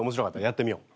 やってみよう。